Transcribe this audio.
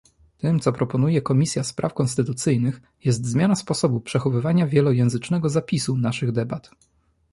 Tym, co proponuje Komisja Spraw Konstytucyjnych, jest zmiana sposobu przechowywania wielojęzycznego zapisu naszych debat